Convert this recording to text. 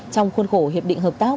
trong khuôn khổ hiệp định hợp tác